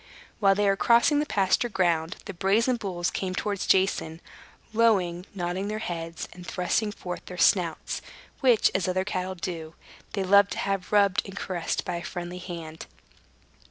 While they were crossing the pasture ground, the brazen bulls came towards Jason, lowing, nodding their heads, and thrusting forth their snouts, which, as other cattle do, they loved to have rubbed and caressed by a friendly hand.